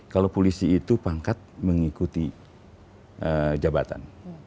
kalau polisi itu pangkat mengikuti jabatan